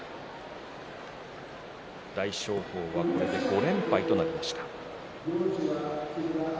大翔鵬はこれで５連敗となりました。